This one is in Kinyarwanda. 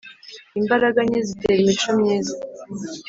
Imbaraga nke zitera imico myiza.